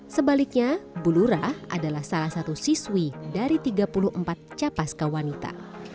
sebaliknya bulurah adalah salah satu siswi dari tiga puluh empat capaska wanita